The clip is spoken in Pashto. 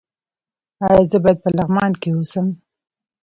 ایا زه باید په لغمان کې اوسم؟